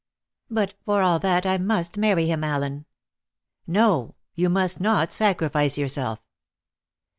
"But, for all that, I must marry him, Allen." "No. You must not sacrifice yourself."